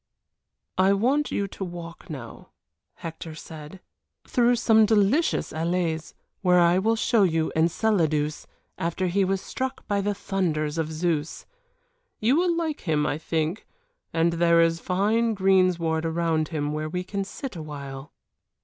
"I want you to walk now," Hector said, "through some delicious allées where I will show you Enceladus after he was struck by the thunders of Zeus. You will like him, I think, and there is fine greensward around him where we can sit awhile."